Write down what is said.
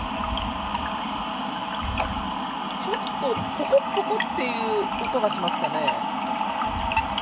ポコッポコッていう音がしますかね。